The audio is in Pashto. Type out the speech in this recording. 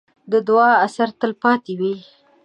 د دعا اثر تل پاتې وي.